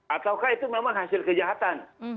ataukah itu memang hasil kejahatan